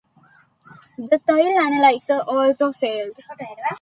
The soil analyzer also failed.